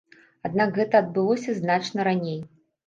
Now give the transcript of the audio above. Аднак гэта адбылося значна раней.